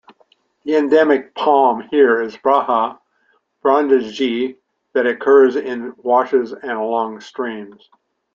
The endemic palm here is "Brahea brandegeei", that occurs in washes and along streams.